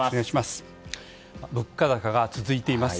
物価高が続いています。